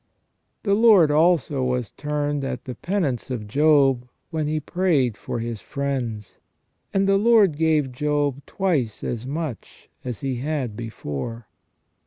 The Lord also was turned at the penance of Job, when he prayed for his friends. And the Lord gave Job twice as much as he had before."